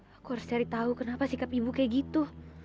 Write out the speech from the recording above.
aku harus cari tahu kenapa sikap ibu kayak gitu